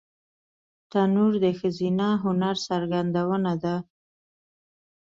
تنور د ښځینه هنر څرګندونه ده